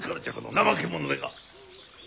怠け者めが。